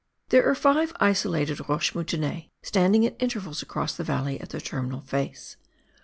There are five isolated roches moutonnees standing at intervals across the valley at the terminal face.